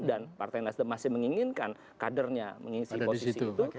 dan partai nasdem masih menginginkan kadernya mengisi posisi itu